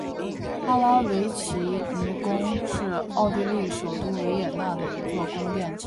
帕拉维奇尼宫是奥地利首都维也纳的一座宫殿建筑。